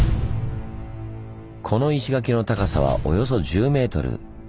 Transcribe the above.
この石垣の高さはおよそ１０ｍ。